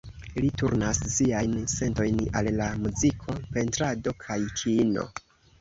Li turnas siajn sentojn al la muziko, pentrado kaj kino.